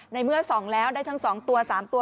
ในเมื่อสองแล้วได้ทั้งสองตัวสามตัว